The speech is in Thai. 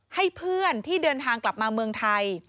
ให้เพื่อนที่เดินทางกลับมาเมืองไทย